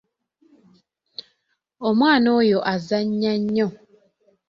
Omwana oyo azannya nnyo.